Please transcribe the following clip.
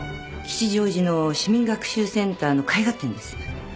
吉祥寺の市民学習センターの絵画展です。